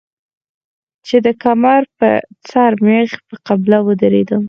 چې د کمر پۀ سر مخ پۀ قبله ودرېدم